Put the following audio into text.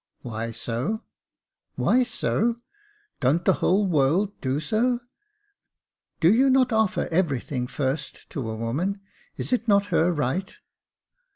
"Why so?" *' Why so ! don't the whole world do so ? Do you not offer everything first to a woman ? Is it not her right